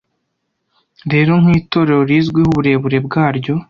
Rero nkitorero rizwiho uburebure bwaryo